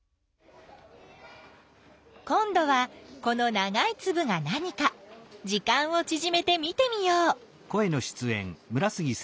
今どはこのながいつぶが何か時間をちぢめて見てみよう。